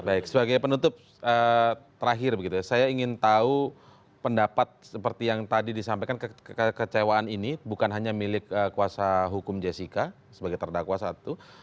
baik sebagai penutup terakhir begitu ya saya ingin tahu pendapat seperti yang tadi disampaikan kekecewaan ini bukan hanya milik kuasa hukum jessica sebagai terdakwa satu